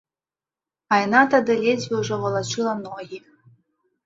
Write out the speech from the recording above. А яна тады ледзьве ўжо валачыла ногі.